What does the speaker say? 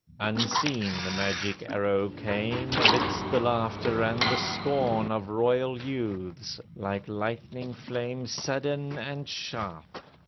Unseen the magic arrow came, Amidst the laughter and the scorn Of royal youths, like lightning flame Sudden and sharp.